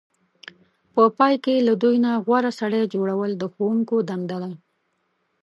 په پای کې له دوی نه غوره سړی جوړول د ښوونکو دنده ده.